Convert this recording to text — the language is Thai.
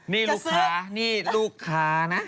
นี่ลูกค้านะ